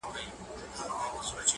چي له جګو جګو غرونو له پېچومو کنډوونو -